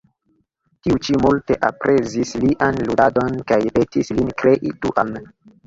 Tiu ĉi multe aprezis lian ludadon kaj petis lin krei Duan.